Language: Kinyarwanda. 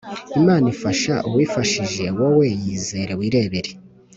Imana ifasha uwifashije wowe yizere wirebere